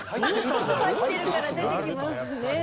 入ってるから出てきます。